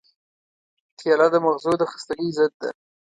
کېله د مغزو د خستګۍ ضد ده.